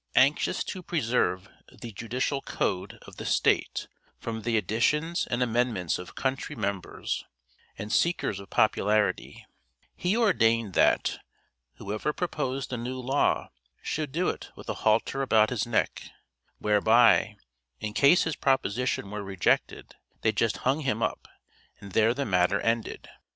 Anxious to preserve the judicial code of the state from the additions and amendments of country members and seekers of popularity, he ordained that, whoever proposed a new law should do it with a halter about his neck; whereby, in case his proposition were rejected, they just hung him up and there the matter ended.